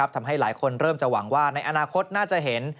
ทำให้หลายคนเริ่มจะหวังว่าในอนาคตน่าจะเห็น